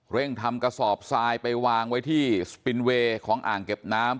ทำกระสอบทรายไปวางไว้ที่สปินเวย์ของอ่างเก็บน้ำ